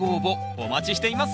お待ちしています。